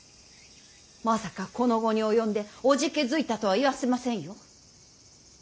まさかこの期に及んでおじけづいたとは言わせませんよ。